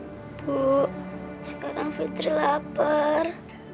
ibu sekarang fitri lapar